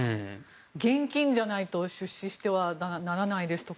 現金じゃないと出資してはならないですとか